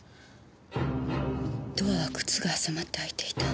ドアは靴が挟まって開いていた。